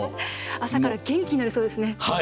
朝から元気になりそうですね。